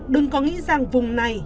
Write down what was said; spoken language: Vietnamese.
đừng có nghĩ rằng vùng này